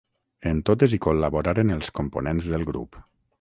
En totes hi col·laboraren els components del Grup.